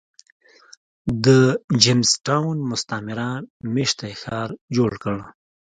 د جېمز ټاون مستعمره مېشتی ښار جوړ کړ.